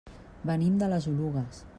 Venim de les Oluges.